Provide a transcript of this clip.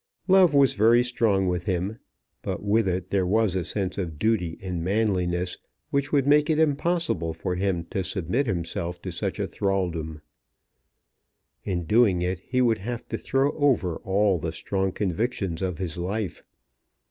Love was very strong with him, but with it there was a sense of duty and manliness which would make it impossible for him to submit himself to such thraldom. In doing it he would have to throw over all the strong convictions of his life.